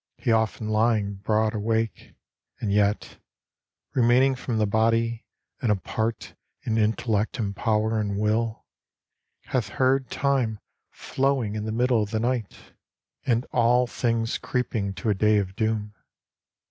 He often lying broad awake, and yet Remaining from the body, and apart In intellect and power and will, hath heard Time flowing in the middle of the night, And all things creeping to a day of doom.